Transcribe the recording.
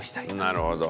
なるほど。